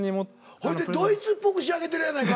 ほいでドイツっぽく仕上げてるやないか。